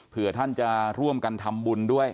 เพื่อท่านจะร่วมกันทำบุญด้วย